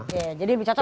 ya jadi lebih cocok